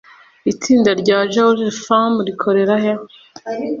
Itsinda rya Georgie Fame rikorerahe?